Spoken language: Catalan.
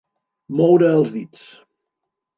Moure els dits.